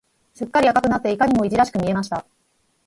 すっかり赤くなって、いかにもいじらしく見えました。